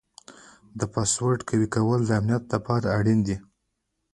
د پاسورډ قوي کول د امنیت لپاره اړین دي.